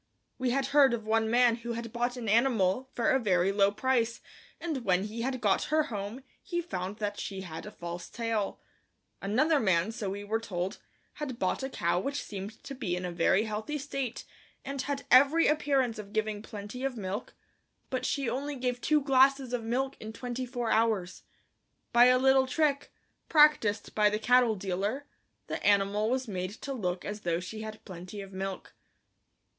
We had heard of one man who had bought an animal for a very low price and when he had got her home he found that she had a false tail; another man, so we were told, had bought a cow which seemed to be in a very healthy state, and had every appearance of giving plenty of milk, but she only gave two glasses of milk in twenty four hours. By a little trick, practiced by the cattle dealer, the animal was made to look as though she had plenty of milk.